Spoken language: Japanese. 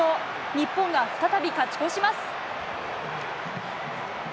日本が再び勝ち越します。